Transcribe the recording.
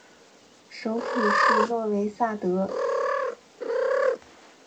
首府是诺维萨德。